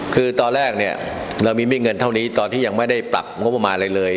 คือตอนแรกเนี่ยเรามีไม่เงินเท่านี้ตอนที่ยังไม่ได้ปรับงบประมาณอะไรเลย